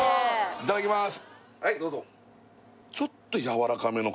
いただきます